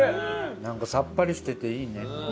なんかさっぱりしてていいね。